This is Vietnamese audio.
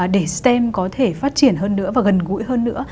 để stem có thể phát triển hơn nữa và gần gũi hơn nữa